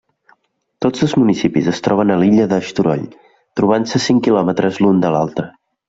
Tots dos municipis es troben a l'illa d'Eysturoy, trobant-se a cinc quilòmetres l'un de l'altre.